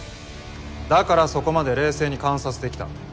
だからそこまで冷静に観察できた。